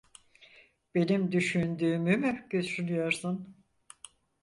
Benim düşündüğümü mü düşünüyorsun?